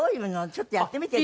ちょっとやってみて。